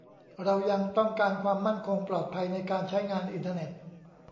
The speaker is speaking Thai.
เรายังต้องการความมั่นคงปลอดภัยในการใช้งานอินเทอร์เน็ต